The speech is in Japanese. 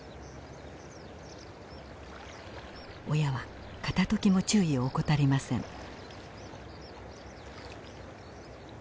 親は片ときも注意を怠りません。